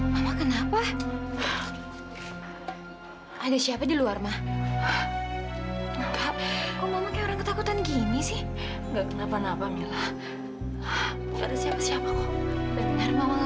dia berprosepsi agar atau akan berxalang supaya akan selamat hablar dari tarde